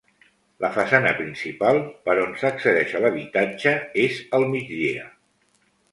La façana principal, per on s'accedeix a l'habitatge, és al migdia.